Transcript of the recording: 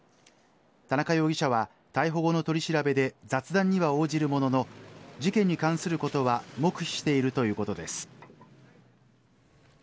田中容疑者は逮捕後の取り調べで雑談には応じるものの事件に関することは黙秘しているということです。